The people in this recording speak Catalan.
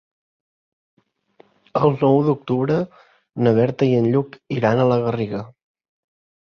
El nou d'octubre na Berta i en Lluc iran a la Garriga.